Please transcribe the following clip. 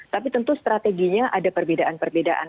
tapi tentu strateginya ada perbedaan perbedaan